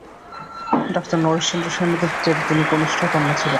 Doctor Naresh Chandra সেনগুপ্তের তিনি কনিষ্ঠ কন্যা ছিলেন।